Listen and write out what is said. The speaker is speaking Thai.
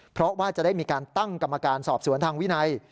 เพราะว่าจะได้มีการตั้งกรรมการสอบสวนทางวินัย